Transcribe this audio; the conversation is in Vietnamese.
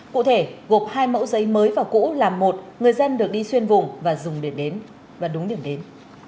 cụ thể gộp hai mẫu giấy mới và cũ làm một người dân được đi xuyên vùng và dùng đường đến